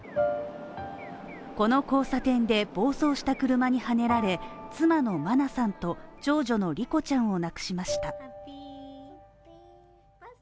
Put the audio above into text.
この交差点で暴走した車にはねられ、妻の真菜さんと長女の莉子ちゃんを亡くしました